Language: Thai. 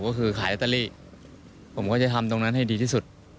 ก็คือขายลอตเตอรี่ผมก็จะทำตรงนั้นให้ดีที่สุด